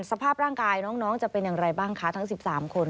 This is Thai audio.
สภาพร่างกายน้องจะเป็นอย่างไรบ้างคะทั้ง๑๓คน